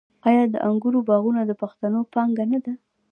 آیا د انګورو باغونه د پښتنو پانګه نه ده؟